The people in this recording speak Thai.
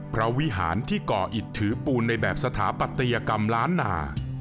วิหารที่ก่ออิตถือปูนในแบบสถาปัตยกรรมล้านนา